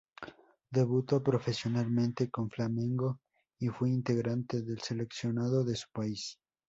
Debutó profesionalmente con Flamengo y fue integrante del seleccionado de su país.